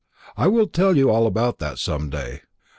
I will tell you all about that some day.